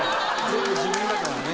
「全部自分だからね」